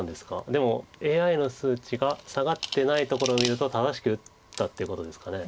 でもＡＩの数値が下がってないところを見ると正しく打ったっていうことですかね。